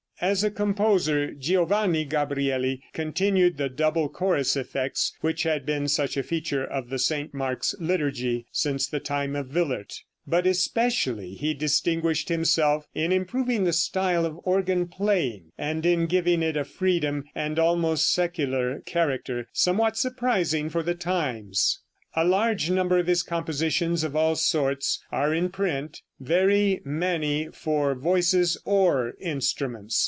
As a composer Giovanni Gabrieli continued the double chorus effects which had been such a feature of the St. Mark's liturgy since the time of Willaert, but especially he distinguished himself in improving the style of organ playing, and in giving it a freedom and almost secular character somewhat surprising for the times. A large number of his compositions of all sorts are in print, very many "for voices or instruments."